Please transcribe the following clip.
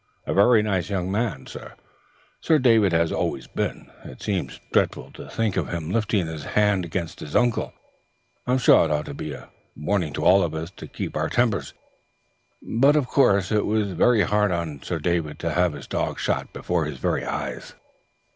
A very nice young gentleman, sir, Sir David has always been; it seems dreadful to think of him lifting his hand against his uncle. I'm sure it ought to be a warning to us all to keep our tempers, but of course it was very hard on Sir David to have his dog shot before his very eyes."